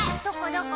どこ？